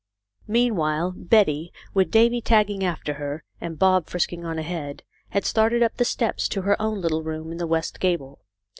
Meanwhile, Betty, with Davy tagging after her, and Bob frisking on ahead, had started up the steps to her own little room in the west gable.